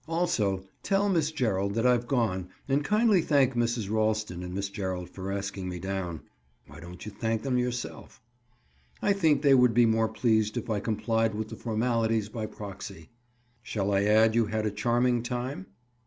Also, tell Miss Gerald that I've gone and kindly thank Mrs Ralston and Miss Gerald for asking me down." "Why don't you thank them yourself?" "I think they would be more pleased if I complied with the formalities by proxy." "Shall I add you had a charming time?"